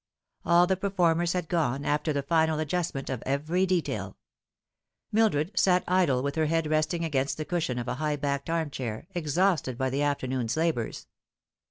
All the performers had gone, after the final adjustment of every detail. Mildred sat idle with her head resting against the cushion of a high backed armchair, exhausted by the afternoon's labours.